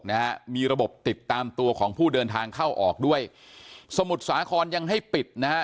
นะฮะมีระบบติดตามตัวของผู้เดินทางเข้าออกด้วยสมุทรสาครยังให้ปิดนะฮะ